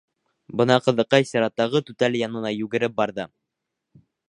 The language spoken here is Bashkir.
Бына ҡыҙыҡай сираттағы түтәл янына югереп барҙы.